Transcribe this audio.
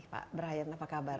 pak brian apa kabar